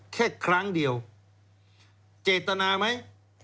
แค่ครั้งเดียวเจตนาไหม